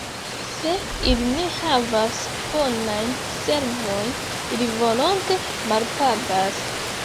Se ili ne havas bonajn servojn, ili volonte malpagas.